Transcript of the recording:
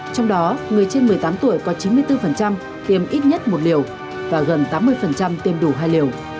trong đó người trên một mươi tám tuổi có chín mươi bốn tiêm ít nhất một liều và gần tám mươi tiêm đủ hai liều